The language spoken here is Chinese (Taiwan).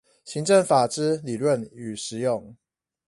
行政法之理論與實用